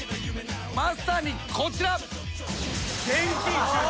まさにこちら。